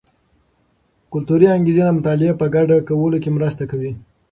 کلتوري انګیزې د مطالعې په ګډه کولو کې مرسته کوي.